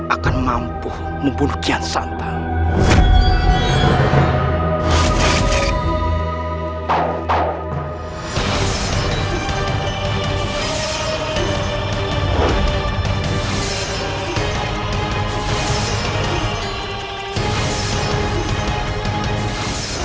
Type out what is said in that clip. akan mampu membunuh kian santan